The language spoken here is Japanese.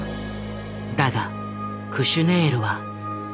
だがクシュネールは。